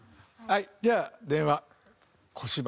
じゃあ電話小芝居。